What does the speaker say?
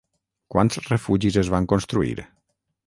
Quants refugis es van construir?